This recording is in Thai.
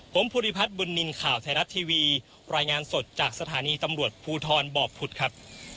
ผมภูริพัฒน์บุญนินทร์ข่าวไทยรัฐทีวีรายงานสดจากสถานีตำรวจภูทรบ่อผุดครับ